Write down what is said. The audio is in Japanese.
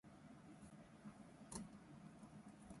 合計百二十枚もの空洞の表情を写していた